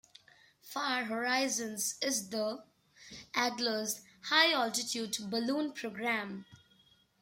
Far Horizons is the Adler's high-altitude balloon program.